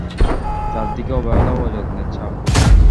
চারদিকে অবহেলা ও অযত্নের ছাপ।